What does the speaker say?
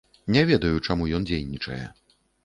Не ведаю, чаму ён дзейнічае.